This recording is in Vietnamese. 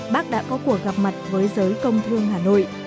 bác đã có cuộc gặp mặt với giới công thương hà nội